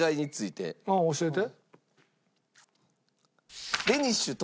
ああ教えて。